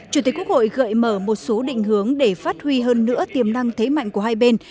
chủ tịch quốc hội gợi mở một số định hướng để phát huy hơn nữa tiềm năng thế mạnh của hai bên